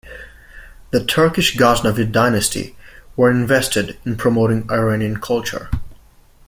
The Turkic Ghaznavid dynasty were invested in promoting Iranian culture.